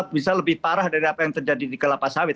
bisa lebih parah dari apa yang terjadi di kelapa sawit